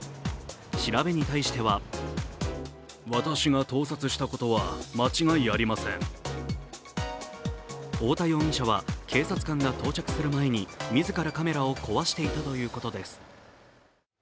調べに対しては太田容疑者は、警察官が到着する前に自らカメラを壊していたということです。